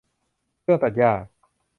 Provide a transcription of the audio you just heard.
เครื่องตัดหญ้า